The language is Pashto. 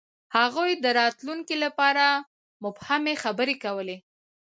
هغوی د راتلونکي لپاره مبهمې خبرې کولې.